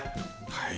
はい。